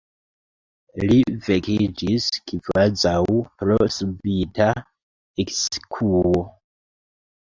Li vekiĝis kvazaŭ pro subita ekskuo.